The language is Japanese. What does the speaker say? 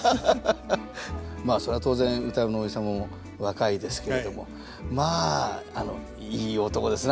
まあそれは当然歌右衛門のおじ様も若いですけれどもまあいい男ですね